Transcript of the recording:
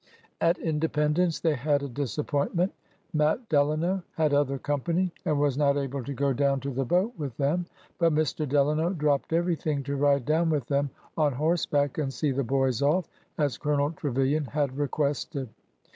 At Independence they had a disappointment. Matt De lano had other company and was not able to go down to 5 66 ORDER NO. 11 the boat with them ; but Mr. Delano dropped everything to ride down with them on horseback and see the boys off, as Colonel Trevilian had requested.